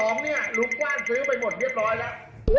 เนี่ยลุงกว้านซื้อไปหมดเรียบร้อยแล้ว